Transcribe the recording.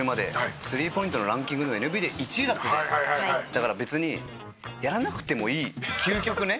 だから別にやらなくてもいい究極ね。